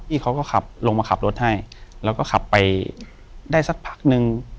เขาก็ขับลงมาขับรถให้แล้วก็ขับไปได้สักพักนึง